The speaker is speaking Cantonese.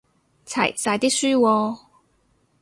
齊晒啲書喎